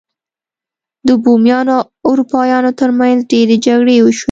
د بومیانو او اروپایانو ترمنځ ډیرې جګړې وشوې.